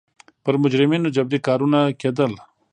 پر مجرمینو جبري کارونه کېدل.